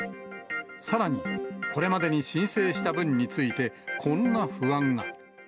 さらに、これまでに申請した分について、こんな不安が。